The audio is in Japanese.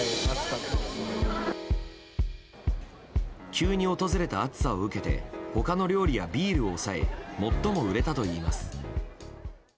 急に訪れた暑さを受けて他の料理やビールを抑え最も売れたといいます。